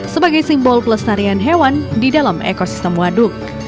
sebagai simbol pelestarian hewan di dalam ekosistem waduk